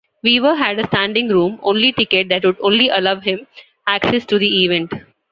Weaver had a standing-room-only ticket that would only allow him access to the event.